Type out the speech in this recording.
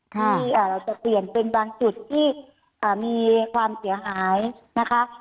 ที่เราจะเปลี่ยนเป็นบางจุดที่มีความเสียหายนะคะ